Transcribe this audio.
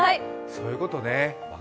そういうことね。